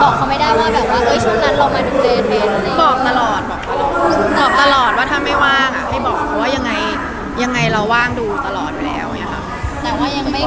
คือบอกเขาไม่ได้ว่าช่วงนั้นเรามาดูเตรียมแทนหรือไง